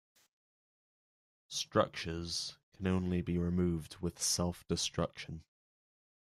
Structures can only be removed with self-destruction.